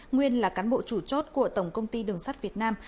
nguyên là cán bộ chủ chốt của tổng công ty đường sắt việt nam